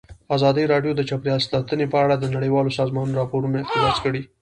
ازادي راډیو د چاپیریال ساتنه په اړه د نړیوالو سازمانونو راپورونه اقتباس کړي.